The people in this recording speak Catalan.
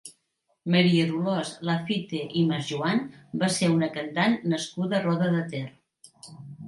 Maria Dolors Laffitte i Masjoan va ser una cantant nascuda a Roda de Ter.